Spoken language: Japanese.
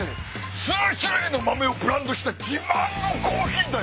数種類の豆をブレンドした自慢のコーヒーだよ！